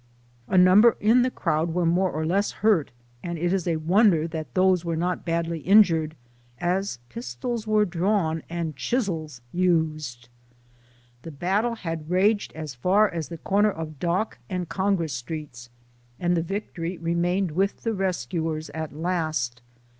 A number in the crowd were more or less hurt, and it is a wonder that these were not badly injured, as pistols were drawn and chisels used. The battle had raged as far as the corner of Dock and Congress Streets, and the victory remained with the rescuers at last.